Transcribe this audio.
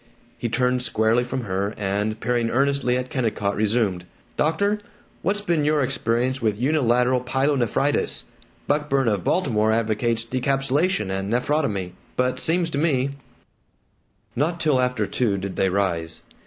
He turned squarely from her and, peering earnestly at Kennicott, resumed, "Doctor, what's been your experience with unilateral pyelonephritis? Buckburn of Baltimore advocates decapsulation and nephrotomy, but seems to me " Not till after two did they rise.